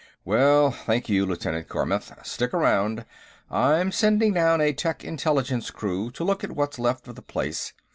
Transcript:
"Well, thank you, Lieutenant Carmath. Stick around; I'm sending down a tech intelligence crew to look at what's left of the place.